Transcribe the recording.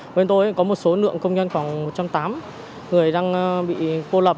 bên tôi có một số nượng công nhân khoảng một trăm tám mươi người đang bị cô lập